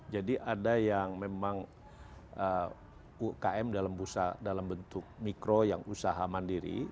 jadi ada yang memang umkm dalam bentuk mikro yang usaha mandiri